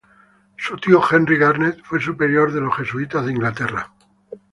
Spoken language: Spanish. Su tío Henry Garnet fue superior de los jesuitas de Inglaterra.